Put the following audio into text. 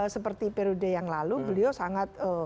seperti periode yang lalu beliau sangat